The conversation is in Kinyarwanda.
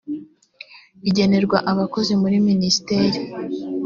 bigenerwa abakozi muri minisiteri